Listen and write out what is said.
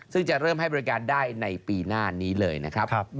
ซึ่งจะเริ่มให้บริการได้ในปีหน้านี้เลยนะครับ